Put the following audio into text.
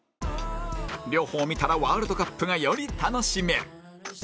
両方見たらワールドカップがより楽しめる